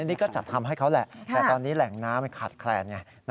นี่ก็จัดทำให้เขาแหละแต่ตอนนี้แหล่งน้ำมันขาดแคลนไง